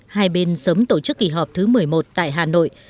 hai bên sớm tổ chức kỳ họp thứ một mươi một tại hà nội